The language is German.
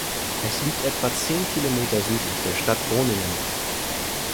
Es liegt etwa zehn Kilometer südlich der Stadt Groningen.